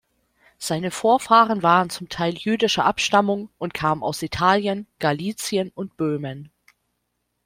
Seine Vorfahren waren zum Teil jüdischer Abstammung und kamen aus Italien, Galizien und Böhmen.